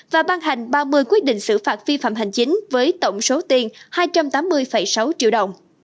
và ban hành ba mươi quyết định xử phạt vi phạm hành chính với tổng số tiền hai trăm tám mươi sáu triệu đồng